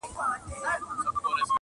زما په عقیده د شعر پیغام -